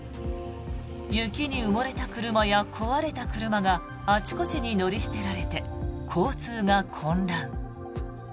雪に埋もれた車や壊れた車があちこちに乗り捨てられて交通が混乱。